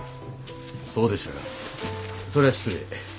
そうでしたかそれは失礼。